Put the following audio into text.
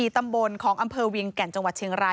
ตำบลของอำเภอเวียงแก่นจังหวัดเชียงราย